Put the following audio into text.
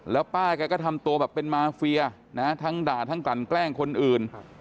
แล้วป้าแกก็ทำตัวแบบเป็นมาเฟียนะทั้งด่าทั้งกลั่นแกล้งคนอื่น